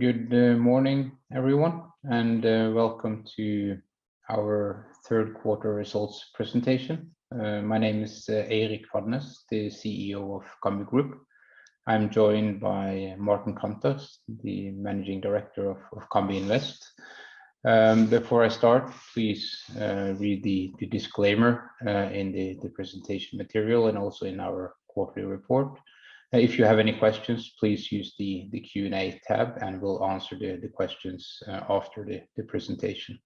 Good morning, everyone, and welcome to our third quarter results presentation. My name is Eirik Fadnes, the CEO of Cambi Group. I'm joined by Maarten Kanters, the Managing Director of Cambi Invest. Before I start, please read the disclaimer in the presentation material and also in our quarterly report. If you have any questions, please use the Q&A tab, and we'll answer the questions after the presentation.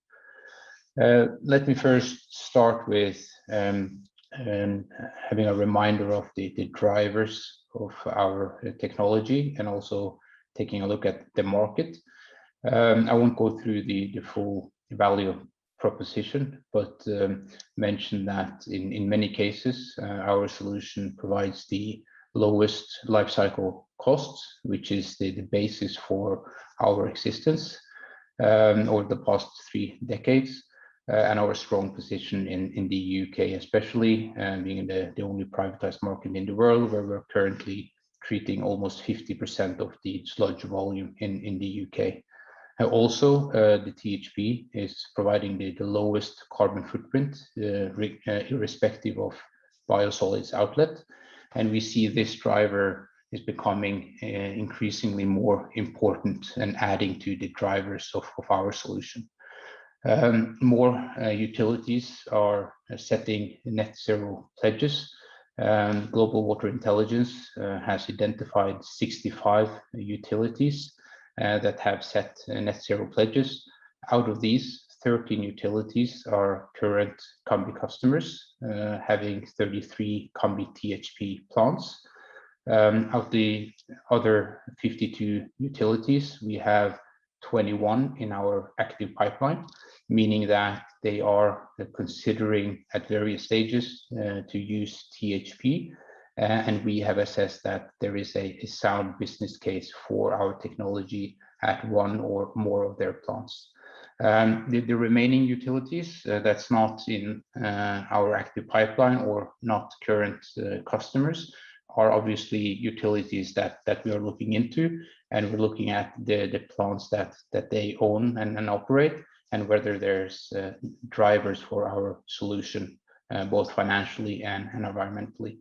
Let me first start with having a reminder of the drivers of our technology and also taking a look at the market. I won't go through the full value proposition, but mention that in many cases our solution provides the lowest life cycle costs, which is the basis for our existence over the past three decades and our strong position in the U.K. especially, being the only privatized market in the world where we're currently treating almost 50% of the sludge volume in the U.K. Also, the THP is providing the lowest carbon footprint irrespective of biosolids outlet, and we see this driver is becoming increasingly more important and adding to the drivers of our solution. More utilities are setting net zero pledges. Global Water Intelligence has identified 65 utilities that have set net zero pledges. Out of these, 13 utilities are current Cambi customers, having 33 Cambi THP plants. Of the other 52 utilities, we have 21 in our active pipeline, meaning that they are considering at various stages to use THP, and we have assessed that there is a sound business case for our technology at one or more of their plants. The remaining utilities, that's not in our active pipeline or not current customers, are obviously utilities that we are looking into, and we're looking at the plants that they own and operate and whether there's drivers for our solution, both financially and environmentally.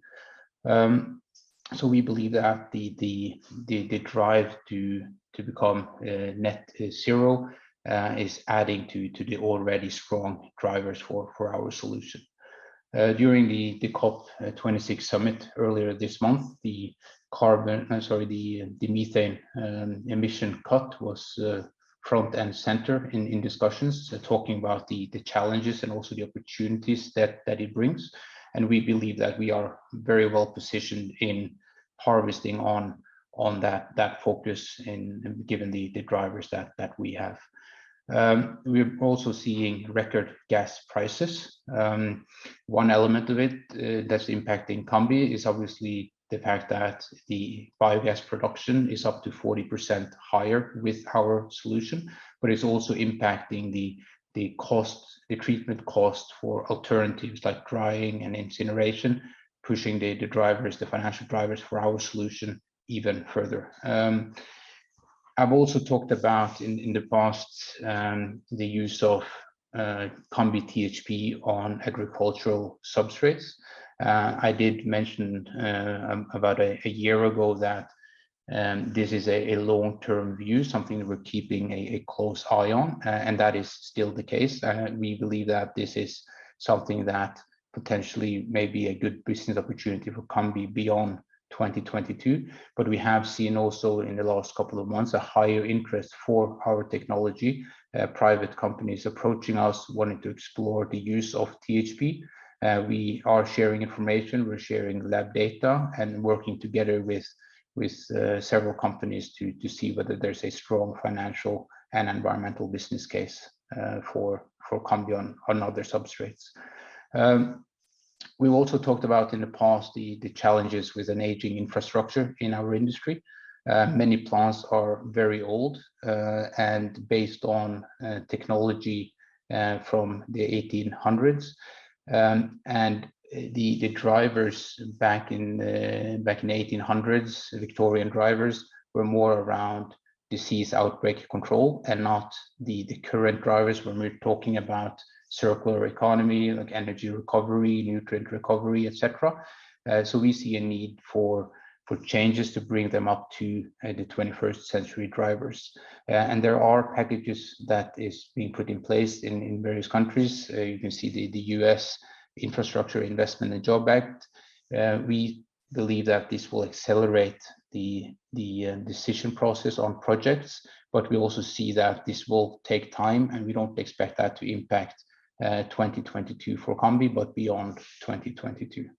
We believe that the drive to become net zero is adding to the already strong drivers for our solution. During the COP26 summit earlier this month, the methane emission cut was front and center in discussions, talking about the challenges and also the opportunities that it brings, and we believe that we are very well positioned in capitalizing on that focus and given the drivers that we have. We're also seeing record gas prices. One element of it that's impacting Cambi is obviously the fact that the biogas production is up to 40% higher with our solution, but it's also impacting the cost, the treatment cost for alternatives like drying and incineration, pushing the drivers, the financial drivers for our solution even further. I've also talked about in the past the use of Cambi THP on agricultural substrates. I did mention about a year ago that this is a long-term view, something that we're keeping a close eye on and that is still the case. We believe that this is something that potentially may be a good business opportunity for Cambi beyond 2022, but we have seen also in the last couple of months a higher interest for our technology, private companies approaching us wanting to explore the use of THP. We are sharing information, we're sharing lab data, and working together with several companies to see whether there's a strong financial and environmental business case for Cambi on other substrates. We've also talked about in the past the challenges with an aging infrastructure in our industry. Many plants are very old, and based on technology from the 1800s, and the drivers back in 1800s, the Victorian drivers, were more around disease outbreak control and not the current drivers when we're talking about circular economy, like energy recovery, nutrient recovery, et cetera. We see a need for changes to bring them up to the 21st century drivers. There are packages that is being put in place in various countries. You can see the Infrastructure Investment and Jobs Act. We believe that this will accelerate the decision process on projects, but we also see that this will take time, and we don't expect that to impact 2022 for Cambi, but beyond 2022.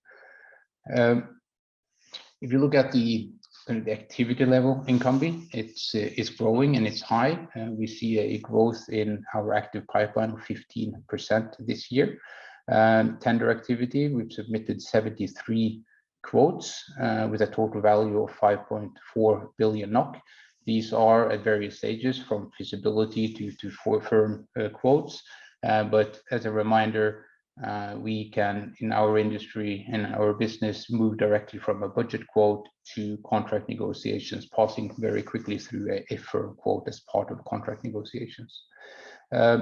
If you look at the kind of activity level in Cambi, it's growing, and it's high. We see a growth in our active pipeline of 15% this year. Tender activity, we've submitted 73 quotes with a total value of 5.4 billion NOK. These are at various stages, from feasibility to firm quotes. But as a reminder, we can, in our industry and our business, move directly from a budget quote to contract negotiations, passing very quickly through a firm quote as part of contract negotiations.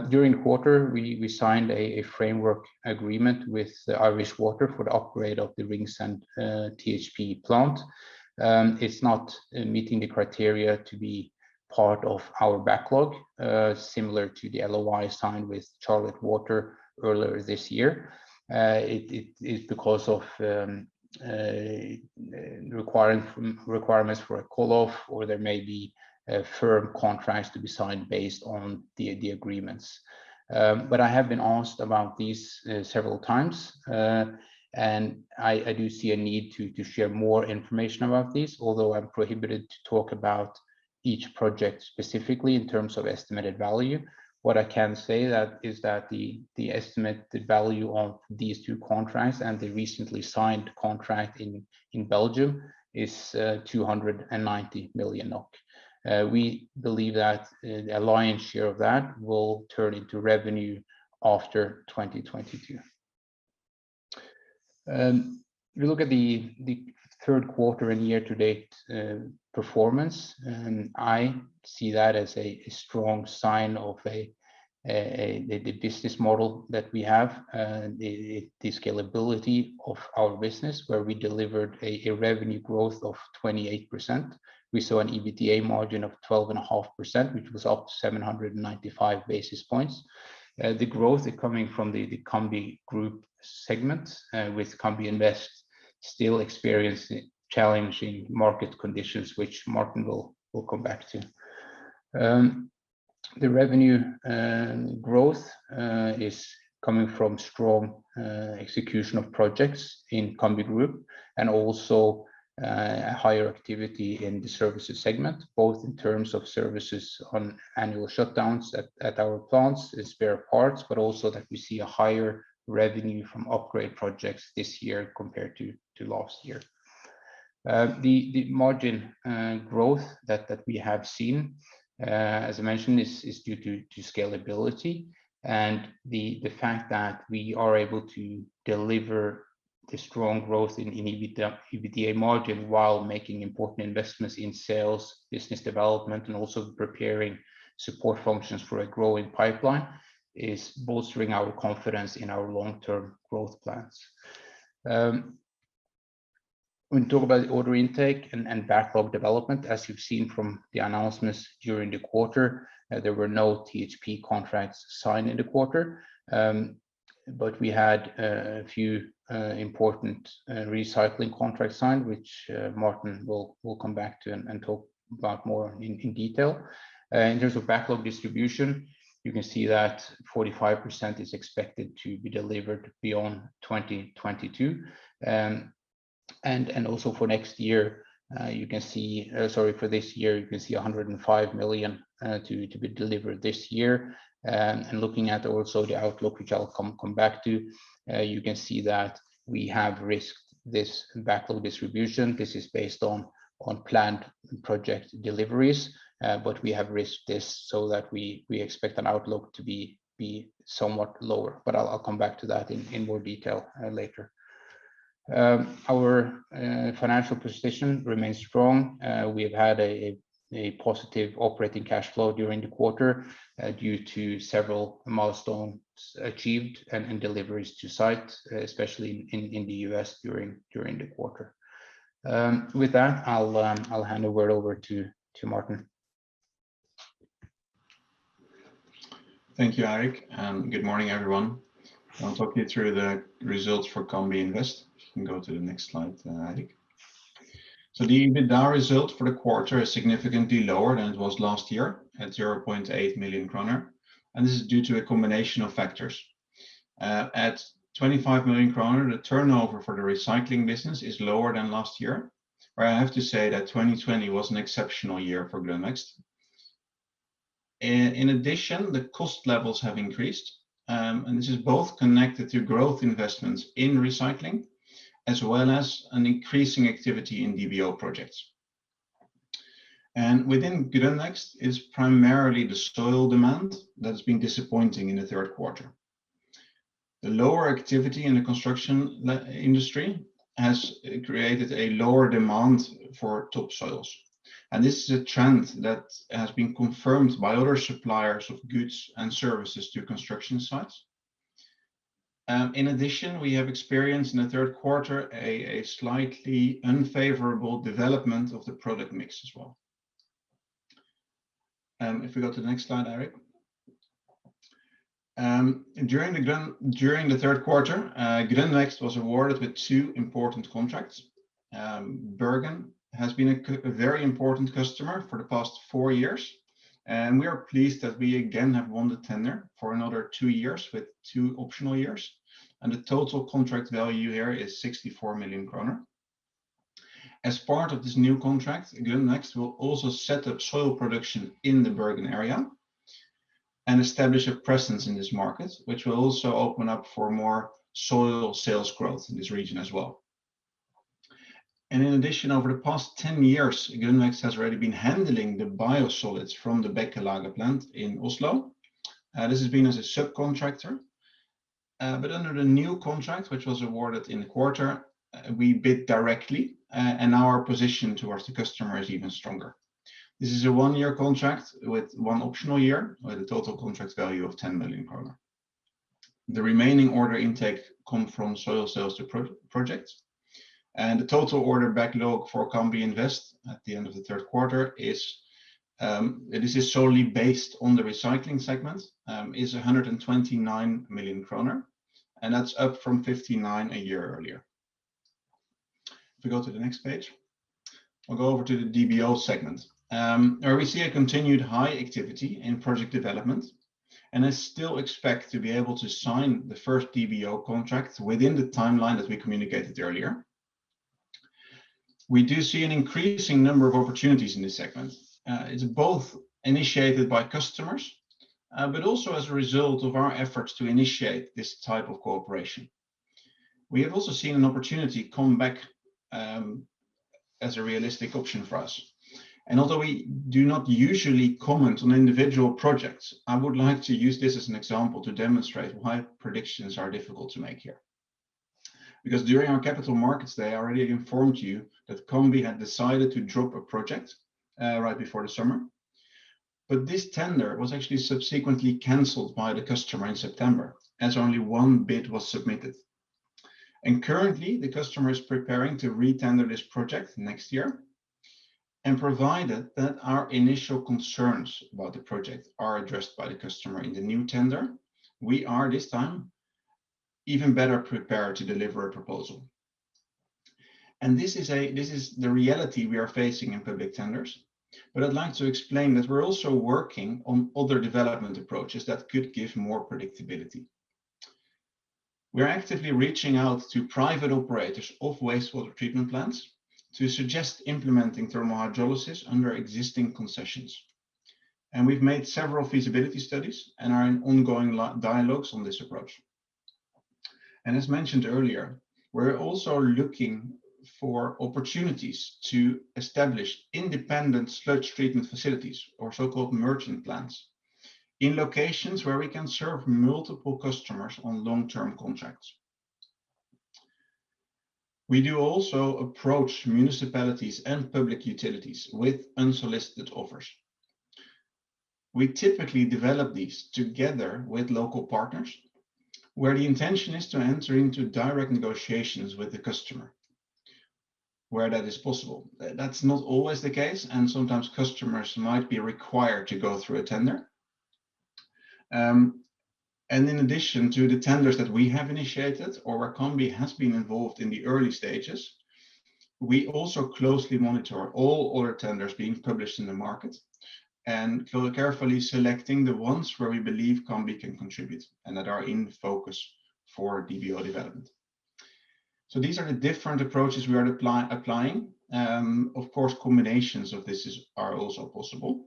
During the quarter, we signed a framework agreement with Irish Water for the upgrade of the Ringsend THP plant. It's not meeting the criteria to be part of our backlog, similar to the LOI signed with Charlotte Water earlier this year. It is because of requirements for a call-off or there may be firm contracts to be signed based on the agreements. I have been asked about these several times, and I do see a need to share more information about these, although I'm prohibited to talk about each project specifically in terms of estimated value. What I can say is that the estimated value of these two contracts and the recently signed contract in Belgium is 290 million NOK. We believe that the lion's share of that will turn into revenue after 2022. If you look at the third quarter and year to date performance, I see that as a strong sign of the business model that we have, the scalability of our business, where we delivered a revenue growth of 28%. We saw an EBITDA margin of 12.5%, which was up 795 basis points. The growth is coming from the Cambi Group segment, with Cambi Invest still experiencing challenging market conditions, which Maarten will come back to. The revenue growth is coming from strong execution of projects in Cambi Group and also higher activity in the services segment, both in terms of services on annual shutdowns at our plants and spare parts, but also that we see a higher revenue from upgrade projects this year compared to last year. The margin growth that we have seen, as I mentioned, is due to scalability and the fact that we are able to deliver the strong growth in EBITDA margin while making important investments in sales, business development, and also preparing support functions for a growing pipeline is bolstering our confidence in our long-term growth plans. When we talk about order intake and backlog development, as you've seen from the announcements during the quarter, there were no THP contracts signed in the quarter. But we had a few important recycling contracts signed, which Maarten will come back to and talk about more in detail. In terms of backlog distribution, you can see that 45% is expected to be delivered beyond 2022. And also for next year, you can see. Sorry, for this year, you can see 105 million to be delivered this year. And looking at also the outlook, which I'll come back to, you can see that we have risked this backlog distribution. This is based on planned project deliveries. We have revised this so that we expect an outlook to be somewhat lower. I'll come back to that in more detail later. Our financial position remains strong. We have had a positive operating cash flow during the quarter due to several milestones achieved and deliveries to site, especially in the U.S. during the quarter. With that, I'll hand the word over to Maarten. Thank you, Eirik, and good morning, everyone. I'll talk you through the results for Cambi Invest. You can go to the next slide, Eirik. The EBITDA result for the quarter is significantly lower than it was last year at 0.8 million kroner, and this is due to a combination of factors. At 25 million kroner, the turnover for the recycling business is lower than last year. I have to say that 2020 was an exceptional year for Grønn Vekst. In addition, the cost levels have increased, and this is both connected to growth investments in recycling as well as an increasing activity in DBO projects. Within Grønn Vekst is primarily the soil demand that's been disappointing in the third quarter. The lower activity in the construction industry has created a lower demand for top soils, and this is a trend that has been confirmed by other suppliers of goods and services to construction sites. In addition, we have experienced in the third quarter a slightly unfavorable development of the product mix as well. If we go to the next slide, Eirik. During the third quarter, Grønn Vekst was awarded with two important contracts. Bergen has been a very important customer for the past four years, and we are pleased that we again have won the tender for another two years with two optional years. The total contract value here is 64 million kroner. As part of this new contract, Grønn Vekst will also set up soil production in the Bergen area and establish a presence in this market, which will also open up for more soil sales growth in this region as well. In addition, over the past 10 years, Grønn Vekst has already been handling the biosolids from the Bekkelaget plant in Oslo. This has been as a subcontractor, but under the new contract, which was awarded in the quarter, we bid directly, and our position towards the customer is even stronger. This is a one-year contract with one optional year with a total contract value of 10 million krone. The remaining order intake come from soil sales to projects. The total order backlog for Cambi Invest at the end of the third quarter is, this is solely based on the recycling segment, is 129 million kroner, and that's up from 59 million a year earlier. If we go to the next page, we'll go over to the DBO segment, where we see a continued high activity in project development, and I still expect to be able to sign the first DBO contract within the timeline as we communicated earlier. We do see an increasing number of opportunities in this segment. It's both initiated by customers, but also as a result of our efforts to initiate this type of cooperation. We have also seen an opportunity come back, as a realistic option for us. Although we do not usually comment on individual projects, I would like to use this as an example to demonstrate why predictions are difficult to make here. Because during our capital markets day, I already informed you that Cambi had decided to drop a project, right before the summer. This tender was actually subsequently canceled by the customer in September, as only one bid was submitted. Currently, the customer is preparing to retender this project next year, and provided that our initial concerns about the project are addressed by the customer in the new tender, we are this time even better prepared to deliver a proposal. This is the reality we are facing in public tenders, but I'd like to explain that we're also working on other development approaches that could give more predictability. We are actively reaching out to private operators of wastewater treatment plants to suggest implementing thermal hydrolysis under existing concessions. We've made several feasibility studies and are in ongoing dialogues on this approach. As mentioned earlier, we're also looking for opportunities to establish independent sludge treatment facilities or so-called merchant plants in locations where we can serve multiple customers on long-term contracts. We do also approach municipalities and public utilities with unsolicited offers. We typically develop these together with local partners, where the intention is to enter into direct negotiations with the customer, where that is possible. That's not always the case, and sometimes customers might be required to go through a tender. In addition to the tenders that we have initiated or where Cambi has been involved in the early stages, we also closely monitor all other tenders being published in the market and carefully selecting the ones where we believe Cambi can contribute and that are in focus for DBO development. These are the different approaches we are applying. Of course, combinations of these are also possible.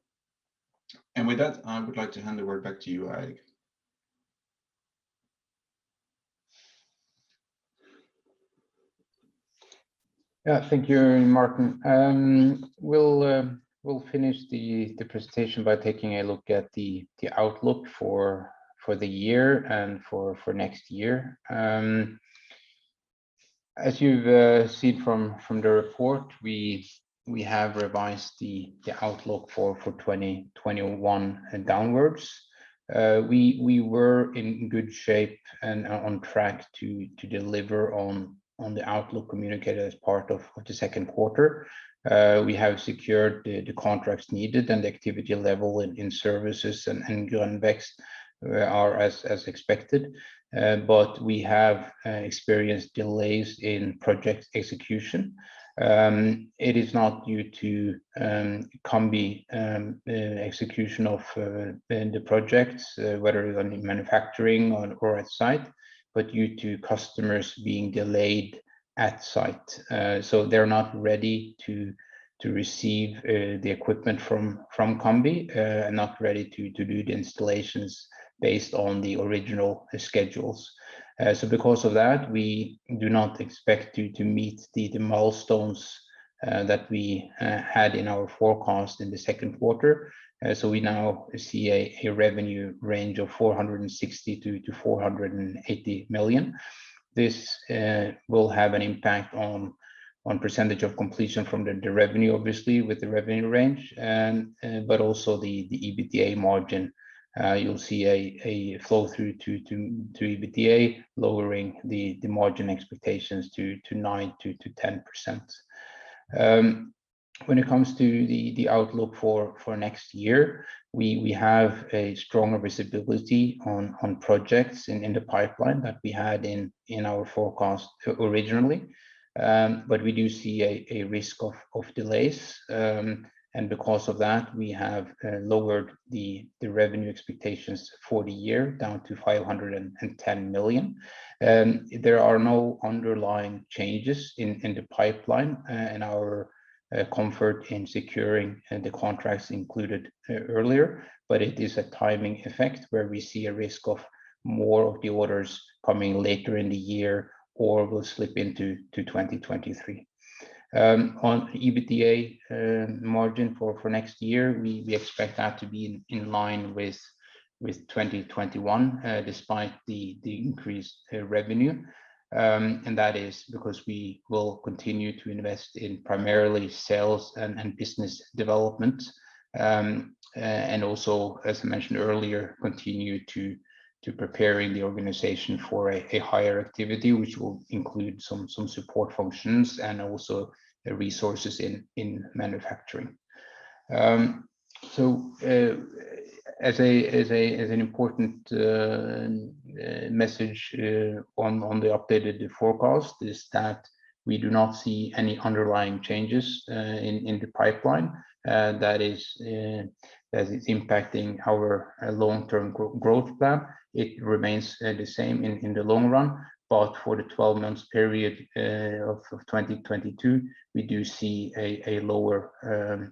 With that, I would like to hand the word back to you, Eirik. Yeah. Thank you, Maarten. We'll finish the presentation by taking a look at the outlook for the year and for next year. As you've seen from the report, we have revised the outlook for 2021 downwards. We were in good shape and on track to deliver on the outlook communicated as part of the second quarter. We have secured the contracts needed and the activity level in services and in Grønn Vekst are as expected, but we have experienced delays in project execution. It is not due to Cambi execution of the projects, whether it is on the manufacturing or at site, but due to customers being delayed at site. They're not ready to receive the equipment from Cambi and not ready to do the installations based on the original schedules. Because of that, we do not expect to meet the milestones that we had in our forecast in the second quarter. We now see a revenue range of 460 million-480 million. This will have an impact on percentage of completion from the revenue, obviously, with the revenue range and but also the EBITDA margin. You'll see a flow-through to EBITDA, lowering the margin expectations to 9%-10%. When it comes to the outlook for next year, we have a stronger visibility on projects in the pipeline that we had in our forecast originally, but we do see a risk of delays. Because of that, we have lowered the revenue expectations for the year down to 510 million. There are no underlying changes in the pipeline and our comfort in securing the contracts included earlier, but it is a timing effect where we see a risk of more of the orders coming later in the year or will slip into 2023. On EBITDA margin for next year, we expect that to be in line with 2021, despite the increased revenue. That is because we will continue to invest in primarily sales and business development and also, as mentioned earlier, continue to preparing the organization for a higher activity, which will include some support functions and also resources in manufacturing. As an important message on the updated forecast is that we do not see any underlying changes in the pipeline that is impacting our long-term growth plan. It remains the same in the long run, but for the 12-month period of 2022, we do see a lower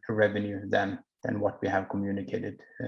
revenue than what we have communicated.